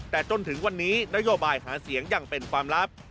แต่จนถึงวันนี้นโยบายหาเสียงยังเป็นความลับ